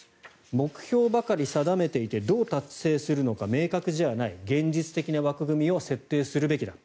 目標ばかり定めていてどう達成するのか明確ではない、現実的な枠組みを設定するべきだ。